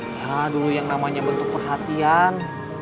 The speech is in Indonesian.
ya dulu yang namanya bentuk perhatian